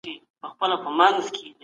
ملتونه ولي په ټولنه کي عدالت غواړي؟